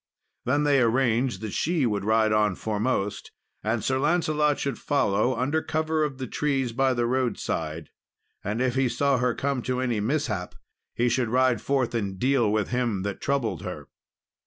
Then they arranged that she should ride on foremost, and Sir Lancelot should follow under cover of the trees by the roadside, and if he saw her come to any mishap, he should ride forth and deal with him that troubled her.